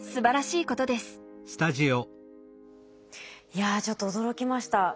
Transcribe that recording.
いやちょっと驚きました。